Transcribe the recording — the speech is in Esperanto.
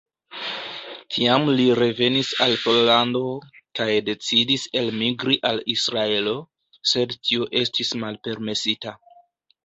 Tiam li revenis al Pollando kaj decidis elmigri al Israelo, sed tio estis malpermesita.